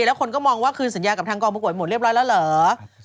แล้วคนก็มองว่าคืนสัญญากับทางกองประกวดหมดเรียบร้อยแล้วเหรอ